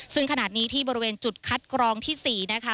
ซึ่งขณะนี้ที่บริเวณจุดคัดกรองที่๔นะคะ